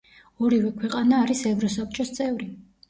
ორივე ქვეყანა არის ევროსაბჭოს წევრი.